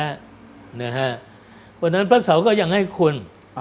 เพราะฉะนั้นพระเสาก็ยังให้คุณ